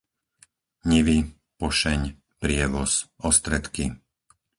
Nivy, Pošeň, Prievoz, Ostredky,